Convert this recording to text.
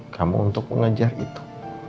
kamu untuk mengejar itu